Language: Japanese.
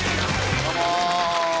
どうも。